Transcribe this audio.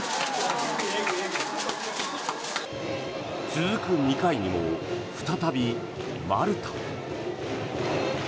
続く２回にも再び丸田。